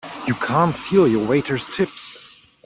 You can't steal your waiters' tips!